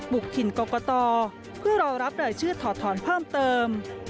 ถิ่นกรกตเพื่อรอรับรายชื่อถอดถอนเพิ่มเติม